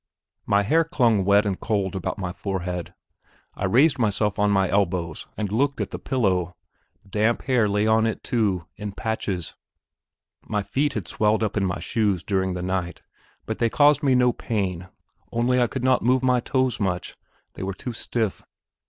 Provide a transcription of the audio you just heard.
My hair clung wet and cold about my forehead. I raised myself on my elbow and looked at the pillow; damp hair lay on it, too, in patches. My feet had swelled up in my shoes during the night, but they caused me no pain, only I could not move my toes much, they were too stiff.